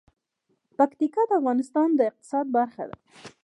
پکتیکا د افغانستان د اقتصاد برخه ده.